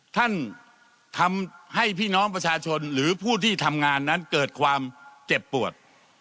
ท่านทำให้พี่น้องประชาชนหรือผู้ที่ทำงานนั้นเกิดความเจ็บปวด